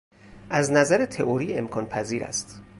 از نظر تئوری امکان پذیر است.